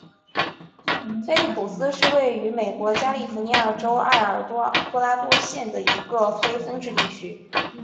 菲利普斯是位于美国加利福尼亚州埃尔多拉多县的一个非建制地区。